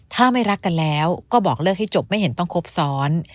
ถ้าไม่รักกันแล้วก็บอกเลิกให้จบไม่เห็นต้องครบซ้อน